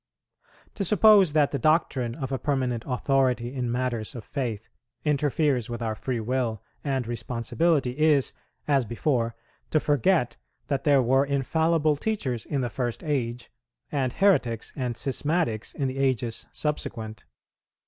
To suppose that the doctrine of a permanent authority in matters of faith interferes with our free will and responsibility is, as before, to forget that there were infallible teachers in the first age, and heretics and schismatics in the ages subsequent.